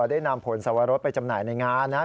ได้นำผลสวรสไปจำหน่ายในงานนะครับ